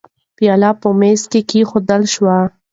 پیاله په مېز کې کېښودل شوه.